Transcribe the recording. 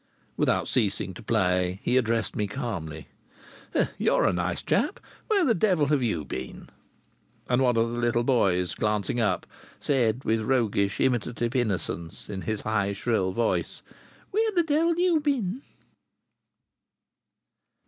Without ceasing to play he addressed me calmly: "You're a nice chap! Where the devil have you been?" And one of the little boys, glancing up, said, with roguish, imitative innocence, in his high, shrill voice: "Where the del you been?"